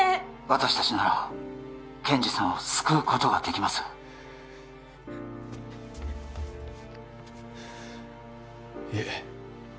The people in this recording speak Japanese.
私達なら健二さんを救うことができますいえ